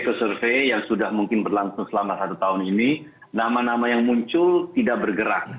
ke survei yang sudah mungkin berlangsung selama satu tahun ini nama nama yang muncul tidak bergerak